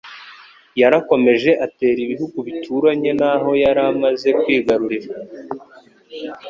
yarakomeje atera ibihugu bituranye naho yari amaze kwigarurira.